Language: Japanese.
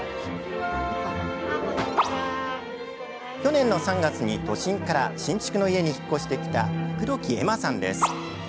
去年の３月に都心から新築の家に引っ越してきた黒木絵麻さんです。